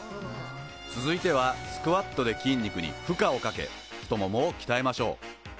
続いてはスクワットで筋肉に負荷をかけ太ももをきたえましょう。